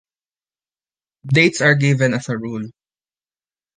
Dates are given as a rule.